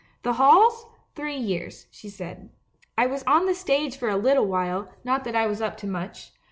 " 'The halls? Three years,' she said. 'I was on the stage for a little while, not that I was up to much.